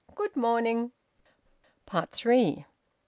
Good morning." THREE.